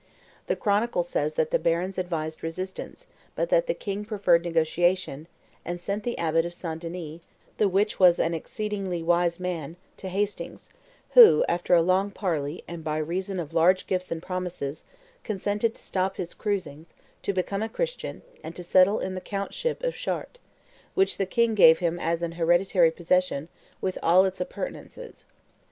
The chronicle says that the barons advised resistance, but that the king preferred negotiation, and "sent the Abbot of St. Denis, the which was an exceeding wise man," to Hastings, who, "after long parley, and by reason of large gifts and promises," consented to stop his cruisings, to become a Christian, and to settle in the count ship of Chartres, "which the king gave him as an hereditary possession, with all its appurtenances."